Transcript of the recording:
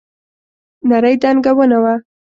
نرۍ دنګه ونه وه.